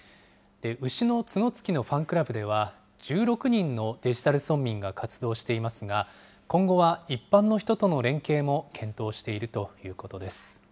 牛の角突きのファンクラブでは、１６人のデジタル村民が活動していますが、今後は一般の人との連携も検討しているということです。